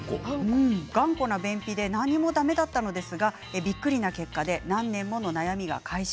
頑固な便秘で何年もだめだったのですがびっくりな結果で何年もの悩みが解消